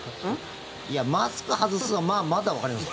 マスク外すのはまあ、まだわかります。